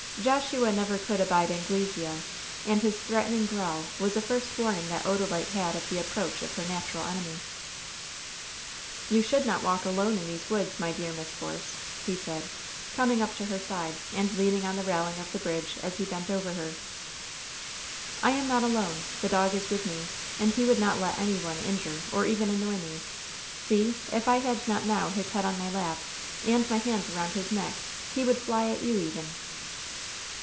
Joshua never could abide Anglesea, and his threatening growl was the first warning that Odalite had of the approach of her natural enemy. "You should not walk alone in these woods, my dear Miss Force," he said, coming up to her side and leaning on the railing of the bridge as he bent over her. "I am not alone. The dog is with me, and he would not let any one injure or even annoy me. See! if I had not now his head on my lap and my hands around his neck, he would fly at you even.